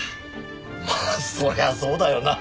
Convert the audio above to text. まあそりゃそうだよな。